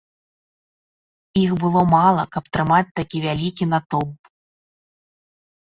Іх было мала, каб трымаць такі вялікі натоўп.